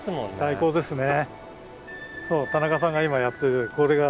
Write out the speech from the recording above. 最高ですね。